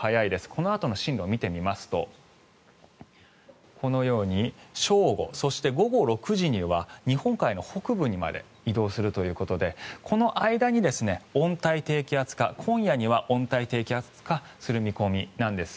このあとの進路を見てみますとこのように正午、そして午後６時には日本海の北部にまで移動するということでこの間に温帯低気圧化今夜には温帯低気圧化する見込みなんです。